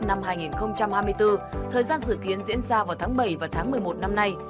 năm hai nghìn hai mươi bốn thời gian dự kiến diễn ra vào tháng bảy và tháng một mươi một năm nay